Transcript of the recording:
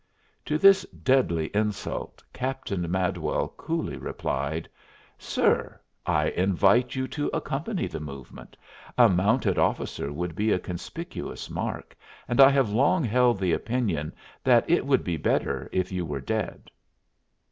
To this deadly insult Captain Madwell coolly replied: "Sir, I invite you to accompany the movement. A mounted officer would be a conspicuous mark, and I have long held the opinion that it would be better if you were dead."